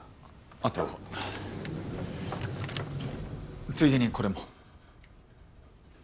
あとついでにこれも。